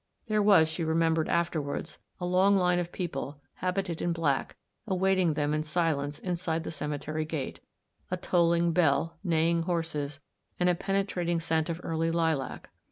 There was, she remembered after ward, a long line of people, habited in black, awaiting them in silence inside the cemetery gate ; a tolling bell, neighing horses, and a penetrating scent of early lilac.